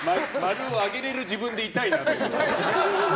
○を上げれる自分でいたいなってこと？